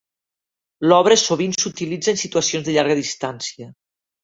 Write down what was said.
L'obra sovint s'utilitza en situacions de llarga distància.